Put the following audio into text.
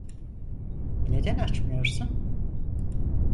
Neden açmıyorsun?